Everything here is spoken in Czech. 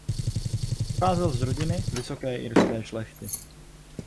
Pocházel z rodiny vysoké irské šlechty.